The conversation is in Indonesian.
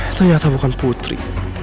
itu ya semoga bukan putri